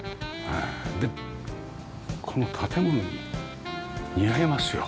でこの建物にも似合いますよ。